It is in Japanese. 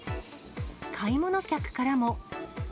買い物客からも。